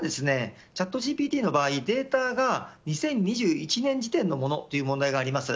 ただ、チャットＧＰＴの場合データが２０２１年時点のものという問題があります。